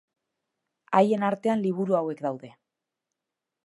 Haien artean liburu hauek daude.